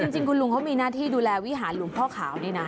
จริงคุณลุงเขามีหน้าที่ดูแลวิหารหลวงพ่อขาวนี่นะ